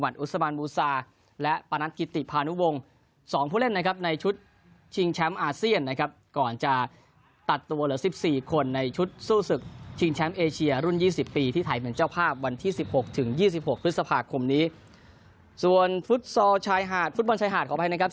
ถึง๒๖พฤษภาคมนี้ส่วนฟุตซอลชายหาดฟุตบอลชายหาดของไทยนะครับ